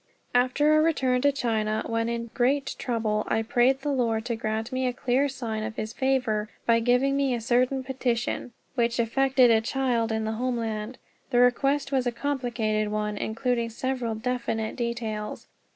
After our return to China, when in great trouble, I prayed the Lord to grant me a clear sign of his favor by giving me a certain petition, which affected a child in the homeland. The request was a complicated one, including several definite details.